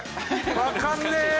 わかんねえ。